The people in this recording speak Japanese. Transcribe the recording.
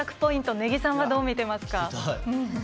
根木さんはどう見てますか。